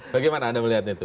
bagaimana anda melihatnya itu